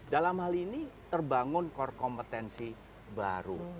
dalam hal ini terbangun core kompetensi baru